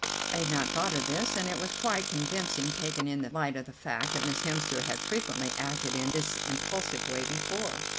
I had not thought of this, and it was quite convincing, taken in the light of the fact that Miss Hemster had frequently acted in this impulsive way before.